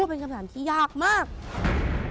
แฟนเป็นคนแบบไหนทำไมถึงรู้สึกว่าคนนี้ไว้ได้